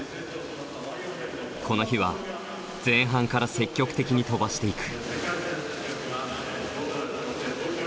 この日は前半から積極的に飛ばしていく。